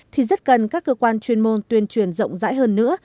thì rất cần các cơ quan chuyên môn tuyên truyền rộng rãi hơn nữa